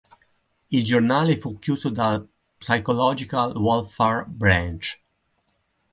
Il giornale fu chiuso dal Psychological Warfare Branch.